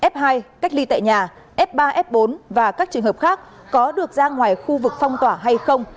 f hai cách ly tại nhà f ba f bốn và các trường hợp khác có được ra ngoài khu vực phong tỏa hay không